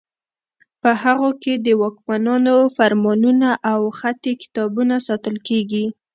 په هغو کې د واکمنانو فرمانونه او خطي کتابونه ساتل کیږي.